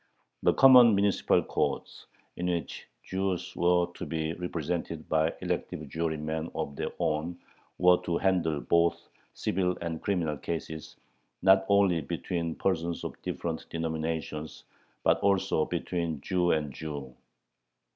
The common municipal courts, in which Jews were to be represented by elective jurymen of their own, were to handle both civil and criminal cases, not only between persons of different denominations, but also between Jew and Jew.